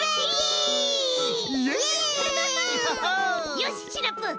よしシナプー